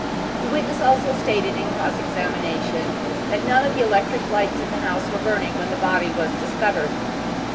The witness also stated in cross examination that none of the electric lights in the house were burning when the body was discovered.